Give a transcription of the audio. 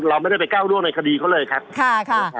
เราไม่ได้ไปก้าวร่วงในคดีเขาเลยครับ